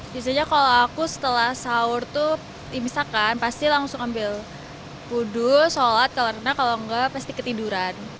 biasanya kalau aku setelah sahur tuh misalkan pasti langsung ambil wudhu sholat karena kalau enggak pasti ketiduran